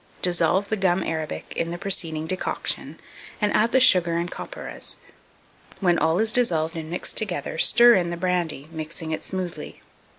Dissolve the gum arabic in the preceding decoction, and add the sugar and copperas: when all is dissolved and mixed together, stir in the brandy, mixing it smoothly.